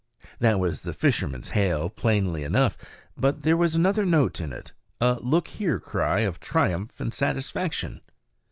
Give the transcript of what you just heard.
_ That was the fisherman's hail plainly enough; but there was another note in it, a look here cry of triumph and satisfaction.